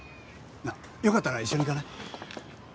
なあよかったら一緒に行かない？